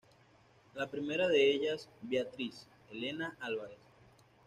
La primera de ellas Beatriz Elena Alvarez.